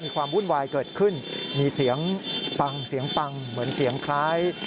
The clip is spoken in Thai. มีความวุ่นวายเกิดขึ้นมีเสียงปังเหมือนเสียงคล้าย